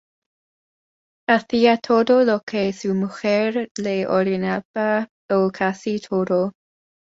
Hacía todo lo que su mujer le ordenaba o casi todo.